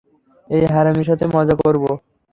এই হারামির সাথে মজা করব?